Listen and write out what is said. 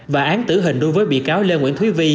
và án tử hình đối với bị cáo lê nguyễn thúy vi